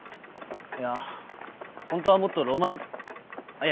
いやホントはもっとロマンあっいや